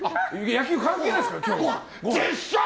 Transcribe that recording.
野球関係ないですから、今日は。